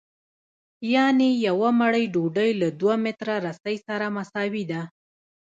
یانې یوه مړۍ ډوډۍ له دوه متره رسۍ سره مساوي ده